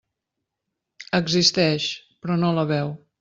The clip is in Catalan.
Existeix, però no la veu.